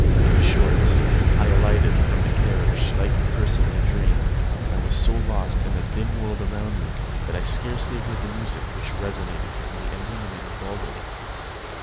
In short, I alighted from the carriage like a person in a dream, and was so lost to the dim world around me, that I scarcely heard the music which resounded from the illuminated ballroom.